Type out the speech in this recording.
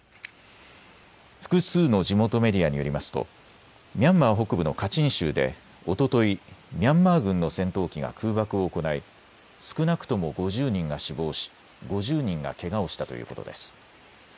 複数の地元メディアによりますとミャンマー北部のカチン州でおととい、ミャンマー軍の戦闘機が空爆を行い少なくとも５０人が死亡し、５０人がけがをしたということです。